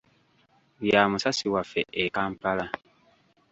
Bya musasi waffe e Kampala.